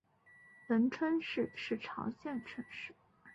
文川市是朝鲜城市。